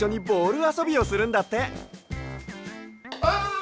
あ！